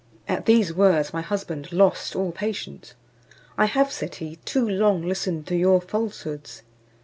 At these words my husband lost all patience. "I have," said he, "too long listened to your falsehoods."